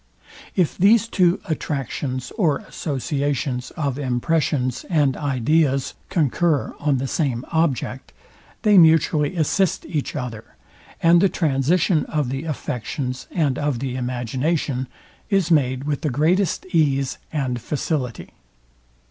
If these two attractions or associations of impressions and ideas concur on the same object, they mutually assist each other, and the transition of the affections and of the imagination is made with the greatest ease and facility.